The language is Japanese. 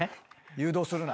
誘導するな。